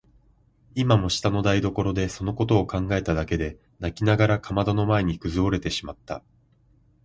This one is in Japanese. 今も下の台所でそのことを考えただけで泣きながらかまどの前にくずおれてしまった。